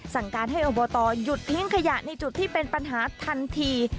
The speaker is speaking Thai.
สั่งการให้อบตหยุดทิ้งขยะในจุดที่เป็นปัญหาทันที